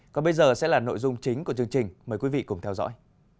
còn bây giờ sẽ là nội dung chính của chương trình mời quý vị cùng theo dõi